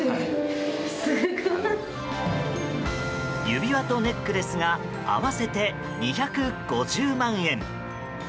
指輪とネックレスが合わせて２５０万円。